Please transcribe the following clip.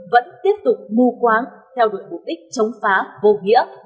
vẫn tiếp tục mù quáng theo đuổi mục đích chống phá vô nghĩa